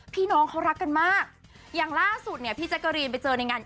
พี่น้องเขารักกันมากอย่างล่าสุดเนี่ยพี่แจ๊กกะรีนไปเจอในงาน